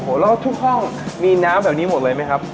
แล้วทุกห้องมีน้ำแบบนี้หมดเลยไหมครับ